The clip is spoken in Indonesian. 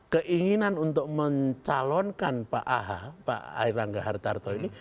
keinginan untuk mencalonkan pak aha pak airangga hartarto ini